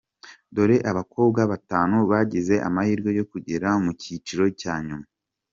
Dore Abakobwa batanu bagize amahirwe yo kugera mu cyiciro cya nyuma :